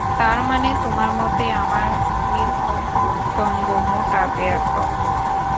তার মানে, তোমার মতে আমার নিতম্ব মোটা বেঢপ।